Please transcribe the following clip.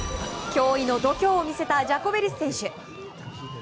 驚異の度胸を見せたジャコベリス選手。